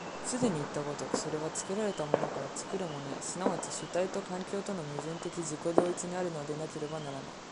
既にいった如く、それは作られたものから作るものへ、即ち主体と環境との矛盾的自己同一にあるのでなければならない。